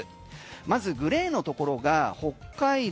まずグレーのところが北海道